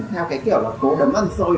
theo cái kiểu là cố đấm ăn xôi